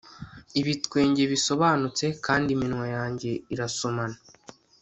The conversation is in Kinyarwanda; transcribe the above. ibitwenge bisobanutse, kandi iminwa yanjye irasomana